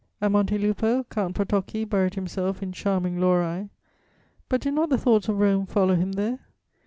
"At Monte Lupo, Count Potoçki buried himself in charming laurœ; but did not the thoughts of Rome follow him there?